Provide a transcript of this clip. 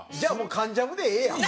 『関ジャム』でええやん。